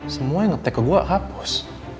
semua yang ngetek ke gue hapus